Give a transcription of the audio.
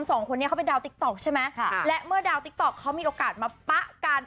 สองคนนี้เขาเป็นดาวติ๊กต๊อกใช่ไหมค่ะและเมื่อดาวติ๊กต๊อกเขามีโอกาสมาปะกัน